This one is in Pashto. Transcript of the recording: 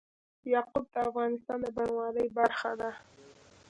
یاقوت د افغانستان د بڼوالۍ برخه ده.